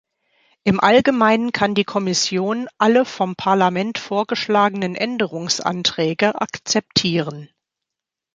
Im Allgemeinen kann die Kommission alle vom Parlament vorgeschlagenen Änderungsanträge akzeptieren.